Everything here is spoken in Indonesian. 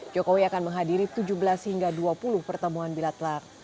jokowi akan menghadiri tujuh belas hingga dua puluh pertemuan bilatlar